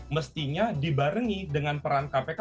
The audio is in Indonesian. mestinya dibarengi dengan peran kpk